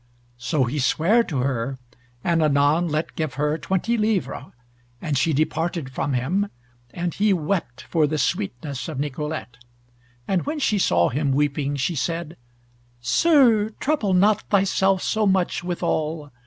So he sware to her, and anon let give her twenty livres, and she departed from him, and he wept for the sweetness of Nicolete. And when she saw him weeping, she said: "Sir, trouble not thyself so much withal.